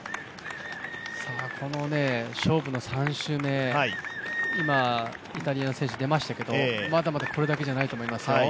この勝負の３周目、今イタリアの選手出ましたけどまだまだこれだけじゃないと思いますよ。